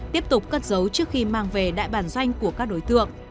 tiếp tục cất dấu trước khi mang về đại bản doanh của các đối tượng